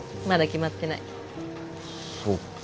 まだ決まってない。